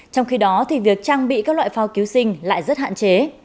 trong khi đó việc trang bị các loại phao cứu sinh lại rất hạn chế